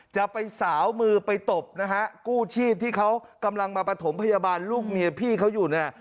จะไปสาวมือไปตบนะฮะกู้ชีพที่เขากำลังมาประถมพยาบาลลูกเมียพี่เขาอยู่เนี่ย